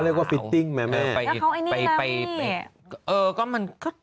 แล้วก็ติ๊งไหมแม่อย่างเขาอันนี้แล้ว